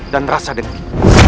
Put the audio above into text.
dan rasa dengki